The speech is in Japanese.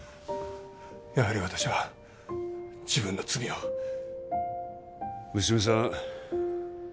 やはり私は自分の罪を娘さん